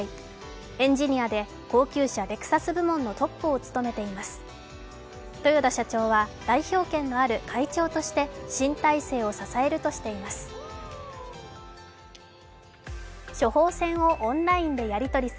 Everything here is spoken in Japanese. エンジニアで、高級車レクサス部門のトップを務めています。